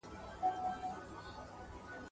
ستا په غاړه کي مي لاس وو اچولی ..